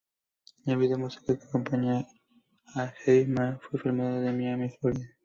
El vídeo musical que acompaña a "Hey Ma" fue filmado en Miami, Florida.